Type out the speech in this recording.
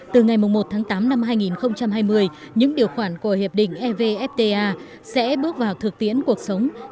từ ngày một tháng tám năm hai nghìn hai mươi những điều khoản của hiệp định evfta sẽ bước vào thực tiễn cuộc sống